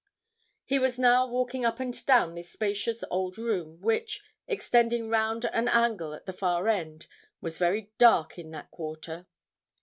He was now walking up and down this spacious old room, which, extending round an angle at the far end, was very dark in that quarter.